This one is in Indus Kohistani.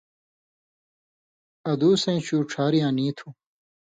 ادوسَیں شُو ڇھاریاں نی تھُو۔